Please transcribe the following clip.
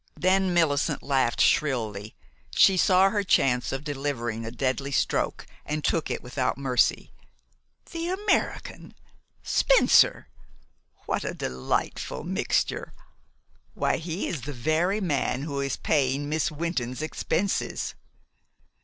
Then Millicent laughed shrilly. She saw her chance of delivering a deadly stroke, and took it without mercy. "The American? Spencer? What a delightful mixture! Why, he is the very man who is paying Miss Wynton's expenses."